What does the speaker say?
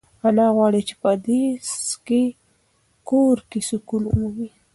انا غواړي چې په دې کور کې سکون ومومي.